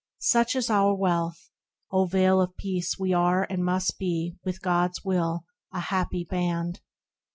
44 THE RECLUSE — Such is our wealth ! O Vale of Peace we are And must be, with God's will, a happy Band.